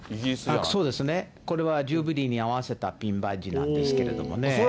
そうですね、これはジュビリーに合わせたピンバッジなんですけれどもね。